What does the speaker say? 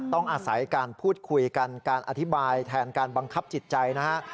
ต้องอาศัยการพูดคุยกันการอธิบายแทนการบังคับจิตใจนะฮะ